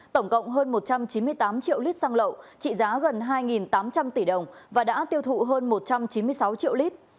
tổng cộng hơn một trăm chín mươi tám triệu lít xăng lậu trị giá gần hai tám trăm linh tỷ đồng và đã tiêu thụ hơn một trăm chín mươi sáu triệu lít